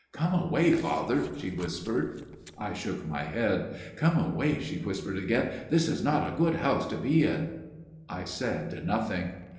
"' Come away, Father,' she whispered. " I shook my head. "' Come away,' she whispered again ;' this is not a good house to be in.' " I said nothing.